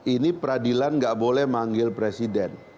ini peradilan tidak boleh memanggil presiden